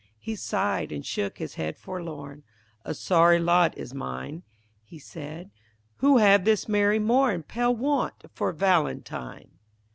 He sighed and shook his head forlorn; "A sorry lot is mine," He said, "who have this merry morn Pale Want for Valentine."